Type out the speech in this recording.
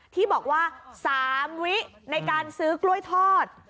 ที่บอกว่า๓วิในการซื้อกล้วยทอด